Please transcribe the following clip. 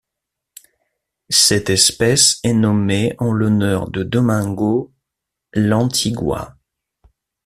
Cette espèce est nommée en l'honneur de Domingo Lantigua.